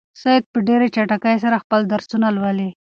سعید په ډېرې چټکۍ سره خپل درسونه لولي.